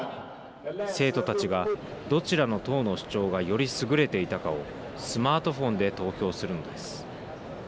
生徒たちが、どちらの党の主張がより優れていたかをスマートフォンで投票するのです。